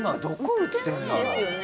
売ってないですよね。